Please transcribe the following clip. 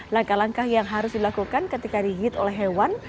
langkah langkah yang harus dilakukan ketika digit oleh hewan